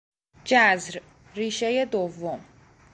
جذر، ریشهی دوم